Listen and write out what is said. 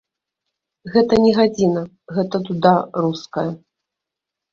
Гэта не гадзіна, гэта дуда руская.